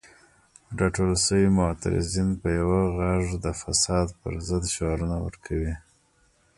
راټول شوي معترضین په یو غږ د فساد پر ضد شعارونه ورکوي.